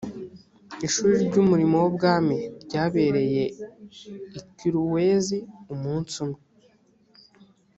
ishuri ry umurimo w ubwami ryabereye i kolwezi umunsi umwe